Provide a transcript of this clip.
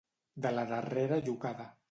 De la darrera llocada.